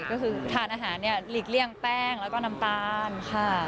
ก็คือทานอาหารเนี่ยหลีกเลี่ยงแป้งแล้วก็น้ำตาลค่ะ